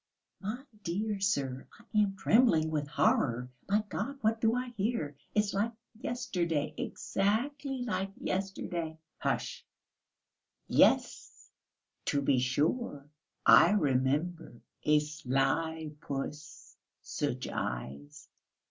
"My dear sir, I am trembling with horror. My God, what do I hear? It's like yesterday, exactly like yesterday!..." "Hush!" "Yes, to be sure! I remember, a sly puss, such eyes